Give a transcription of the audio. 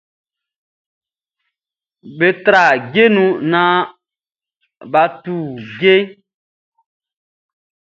Be tran ndje nu nan ba tu ndje.